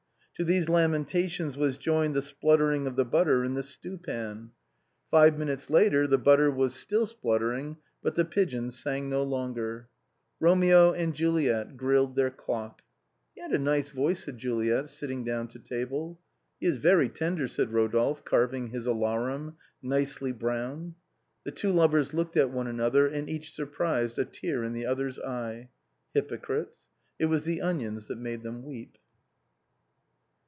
To these lamentations was joined the spluttering of the butter in the stew pan. ROMEO AND JULIET. 303 Five minutes later the butter was still spluttering, but the pigeon sang no longer. Eomco and Juliet grilled their clock. " He had a nice voice/' said Juliet, sitting down to table. " He is very tender," said Rodolphe, carving his alarum, nicely browned. The two lovers looked at one another, and each surprised a tear in the other's eye. Hypocrites, it was the onions that made them weep.